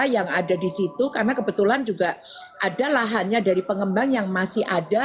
yang ada di situ karena kebetulan juga ada lahannya dari pengembang yang masih ada